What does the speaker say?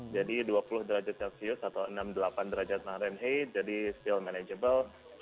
jadi dua puluh derajat celcius atau enam puluh delapan derajat fahrenheit jadi masih bisa diurus